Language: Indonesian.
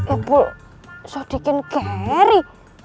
ipul sodikin geri